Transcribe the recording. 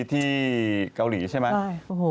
ที่เกาหลีใช่ไหม